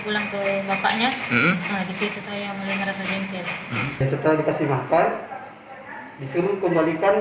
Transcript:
pulang ke bapaknya disitu saya mulai merasa jengkel setelah dikasih makan disuruh kembalikan